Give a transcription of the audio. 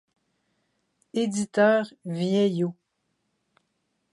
Éditeur Vieillot.